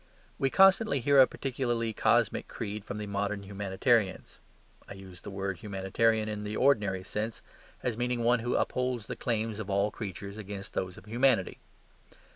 We constantly hear a particularly cosmic creed from the modern humanitarians; I use the word humanitarian in the ordinary sense, as meaning one who upholds the claims of all creatures against those of humanity.